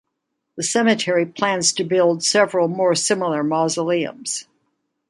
The cemetery plans to build several more similar mausoleums.